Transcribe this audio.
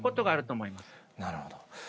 なるほど。